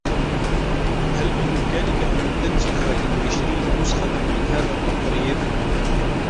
هل بإمكانك أن تنسخ لي عشرين نسخة من هذا التقرير ؟